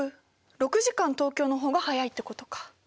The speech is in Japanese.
６時間東京の方が早いってことか。